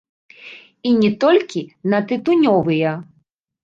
І не толькі на тытунёвыя.